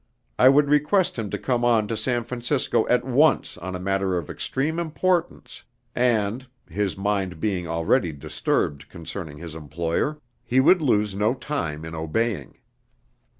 I would request him to come on to San Francisco at once on a matter of extreme importance, and his mind being already disturbed concerning his employer he would lose no time in obeying.